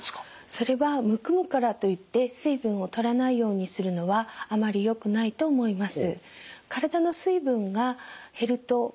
それはむくむからといって水分をとらないようにするのはあまりよくないと思います。